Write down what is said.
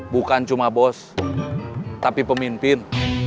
bukan cuma bos tapi pemimpin